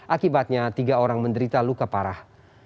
akibatnya tiga orang menderita luka parah